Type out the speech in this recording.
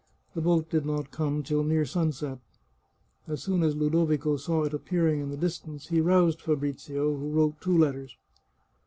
The boat did not come till near sunset. As soon as Ludovico saw it appearing in the dis tance, he roused Fabrizio, who wrote two letters.